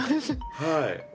はい。